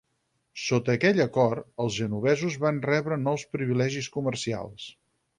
Sota aquell acord, els genovesos van rebre nous privilegis comercials.